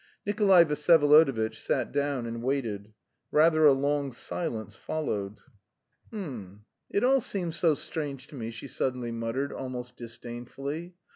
Nikolay Vsyevolodovitch sat down and waited. Rather a long silence followed. "H'm! It all seems so strange to me," she suddenly muttered almost disdainfully.